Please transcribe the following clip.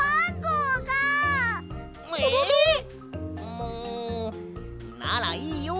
もうならいいよ。